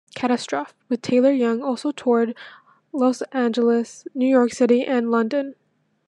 "Catastrophe" with Taylor-Young also toured Los Angeles, New York City and London.